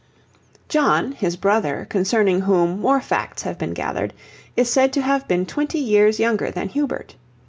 John, his brother, concerning whom more facts have been gathered, is said to have been twenty years younger than Hubert.